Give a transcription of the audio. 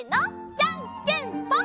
じゃんけんぽん！